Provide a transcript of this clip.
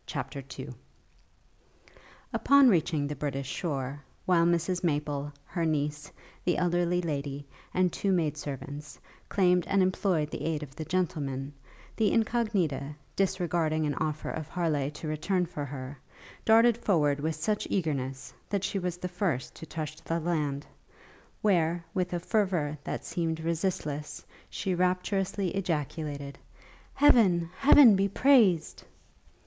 CHAPTER II Upon reaching the British shore, while Mrs Maple, her niece, the elderly lady, and two maid servants, claimed and employed the aid of the gentlemen, the Incognita, disregarding an offer of Harleigh to return for her, darted forward with such eagerness, that she was the first to touch the land, where, with a fervour that seemed resistless, she rapturously ejaculated, 'Heaven, Heaven be praised!'